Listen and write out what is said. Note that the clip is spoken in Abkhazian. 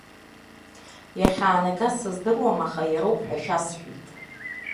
Иахьаанагаз сыздыруам аха, иароуп ҳәа шәасҳәеит.